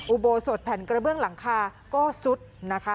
อุโบสถแผ่นกระเบื้องหลังคาก็ซุดนะคะ